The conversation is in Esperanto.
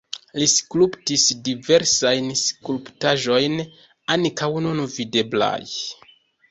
Li skulptis diversajn skulptaĵojn, ankaŭ nun videblaj.